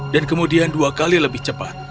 dan kemudian dua kali lebih cepat